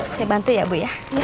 saya bantu ya bu